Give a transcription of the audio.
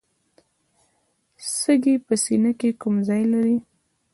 سږي په سینه کې کوم ځای لري